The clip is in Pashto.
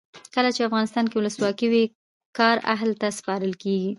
کله چې افغانستان کې ولسواکي وي کار اهل ته سپارل کیږي.